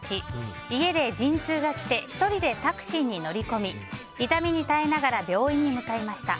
家で陣痛が来て１人でタクシーに乗り込み痛みに耐えながら病院に向かいました。